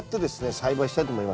栽培したいと思います。